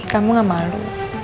kamu gak malu